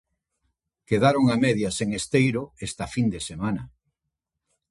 Quedaron a medias en Esteiro esta fin de semana.